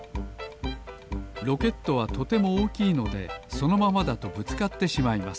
ロケットはとてもおおきいのでそのままだとぶつかってしまいます。